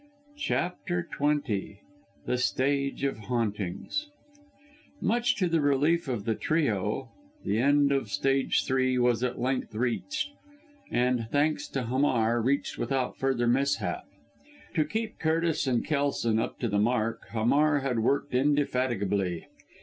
CHAPTER XX THE STAGE OF HAUNTINGS Much to the relief of the trio, the end of stage three was at length reached and, thanks to Hamar, reached without further mishap. To keep Curtis and Kelson up to the mark, Hamar had worked indefatigably.